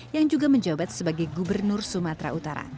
yang juga menjabat sebagai gubernur